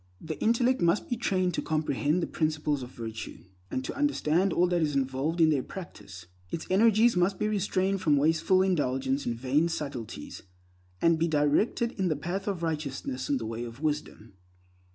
The intellect must be trained to comprehend the principles of virtue, and to understand all that is involved in their practice. Its energies must be restrained from wasteful indulgence in vain subtleties, and be directed in the path of righteousness and the way of wisdom.